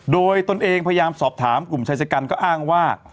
โดยตนเองพยายามสอบถามกลุ่มชายชะกันก็อ้างว่า